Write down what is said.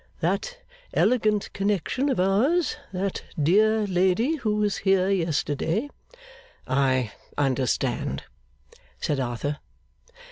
That elegant connection of ours that dear lady who was here yesterday ' 'I understand,' said Arthur.